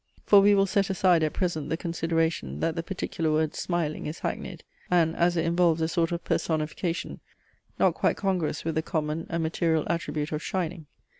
For we will set aside, at present, the consideration, that the particular word "smiling" is hackneyed, and, as it involves a sort of personification, not quite congruous with the common and material attribute of "shining."